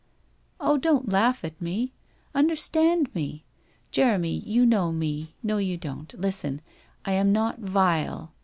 1 Oh, don't laugh at me. Understand me. Jeremy, you know me — no, you don't. Listen ! I am not vile.